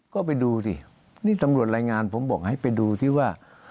ก็ไปดูสินี่ตำรวจรายงานผมบอกให้ไปดูที่ว่า